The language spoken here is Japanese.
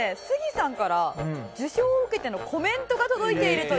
さんから受賞を受けてのコメントが届いているという事で。